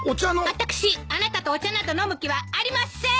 私あなたとお茶など飲む気はありません！